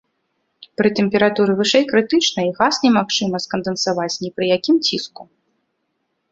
Пры тэмпературы вышэй крытычнай газ немагчыма скандэнсаваць ні пры якім ціску.